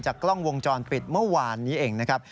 กล้องวงจรปิดเมื่อวานนี้เองนะครับ